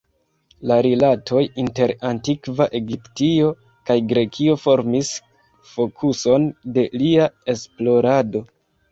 La rilatoj inter antikva Egiptio kaj Grekio formis fokuson de lia esplorado.